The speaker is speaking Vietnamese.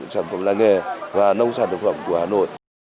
sản phẩm là nghề và nông sản thực phẩm của hà nội